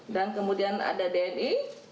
dan kemudian ada dni